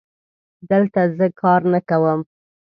دلته زه کار نه کوم